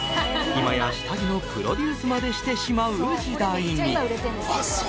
今や下着のプロデュースまでしてしまう時代に。